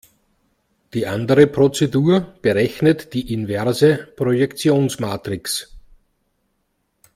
Die andere Prozedur berechnet die inverse Projektionsmatrix.